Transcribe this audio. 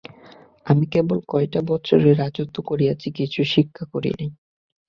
আমি কেবল কয়টা বৎসর রাজত্বই করিয়াছি, কিছুই শিক্ষা করি নাই।